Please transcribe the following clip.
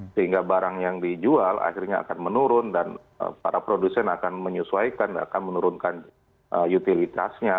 sehingga barang yang dijual akhirnya akan menurun dan para produsen akan menyesuaikan akan menurunkan utilitasnya